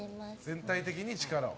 全体的に力を。